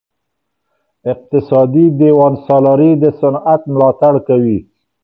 اقتصادي دیوان سالاري د صنعت ملاتړ کوي.